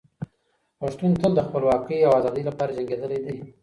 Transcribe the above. پښتون تل د خپلواکۍ او ازادۍ لپاره جنګېدلی دی.